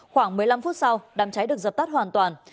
khoảng một mươi năm phút sau đám cháy được dập tắt hoàn toàn